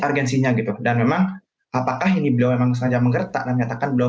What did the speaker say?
argensinya gitu dan memang apakah ini beliau memang sengaja menggertak dan menyatakan beliau